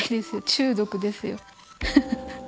中毒ですよ。